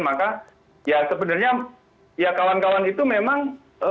maka ya sebenarnya ya kawan kawan itu memang